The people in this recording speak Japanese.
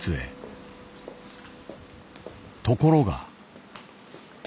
ところが。